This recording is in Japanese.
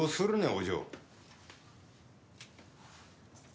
お嬢。